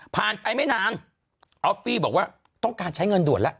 ไปไม่นานออฟฟี่บอกว่าต้องการใช้เงินด่วนแล้ว